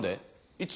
いつ？